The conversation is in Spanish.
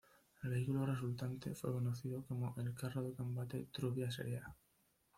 El vehículo resultante fue conocido como el "Carro de Combate Trubia serie A".